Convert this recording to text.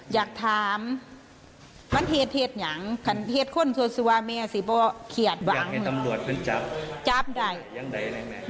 อยากให้ตำรวจเพื่อนจับจับใดอย่างใดแหล่งแหล่งแหล่ง